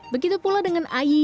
begitu pula dengan ayi